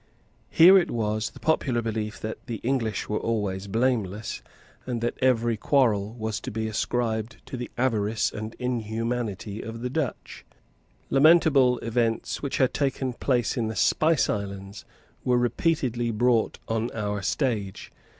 Here it was the popular belief that the English were always blameless, and that every quarrel was to be ascribed to the avarice and inhumanity of the Dutch. Lamentable events which had taken place in the Spice Islands were repeatedly brought on our stage.